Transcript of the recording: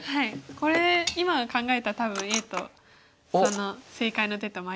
これ今考えたら多分Ａとその正解の手と迷うと思います。